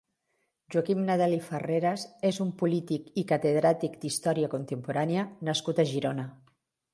Joaquim Nadal i Farreras és un polític i catedràtic d'història contemporània nascut a Girona.